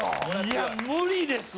いや無理ですね